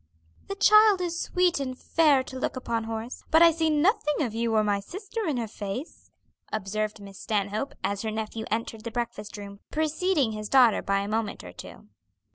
"The child is sweet and fair to look upon, Horace, but I see nothing of you or my sister in her face," observed Miss Stanhope, as her nephew entered the breakfast room, preceding his daughter by a moment or two.